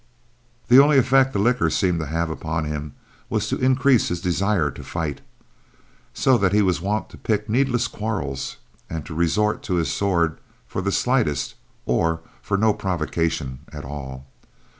The only effect that liquor seemed to have upon him was to increase his desire to fight, so that he was wont to pick needless quarrels and to resort to his sword for the slightest, or for no provocation at all.